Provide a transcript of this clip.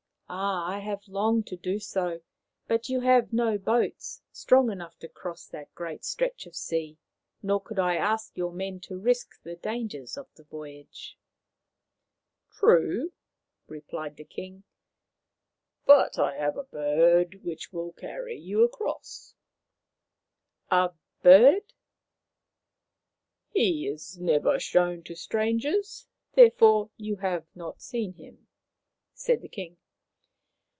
" I have longed to do so ; but you have no boats strong enough to cross that great stretch of sea, nor could I ask your men to risk the dangers of the voyage." " True," replied the king ;" but I have a bird which will carry you across." " A bird !" "He is never shown to strangers, therefore you have not seen him," said the king.